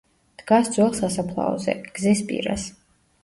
დგას ძველ სასაფლაოზე, გზის პირას.